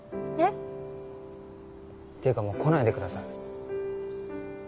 えっ？っていうかもう来ないでください。